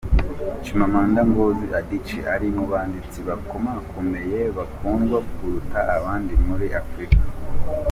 Chimamanda Ngozi Adichie ari mu banditsi bakomakomeye bakundwa kuruta abandi muri Afrika.